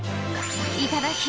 いただき！